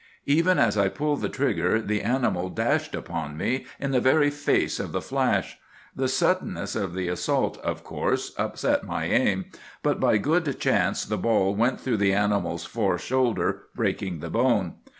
"Even as I pulled the trigger the animal dashed upon me, in the very face of the flash. The suddenness of the assault of course upset my aim; but by good chance the ball went through the animal's fore shoulder, breaking the bone.